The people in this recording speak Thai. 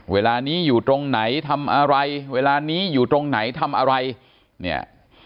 เวลานี้อยู่ตรงไหนทำอะไรเวลานี้อยู่ตรงไหนทำอะไรเนี่ย